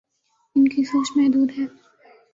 ان کی سوچ محدود ہے۔